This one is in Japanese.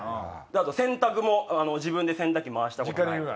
あと洗濯も自分で洗濯機回したことないとか。